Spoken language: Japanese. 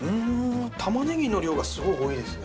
たまねぎの量がすごい多いですね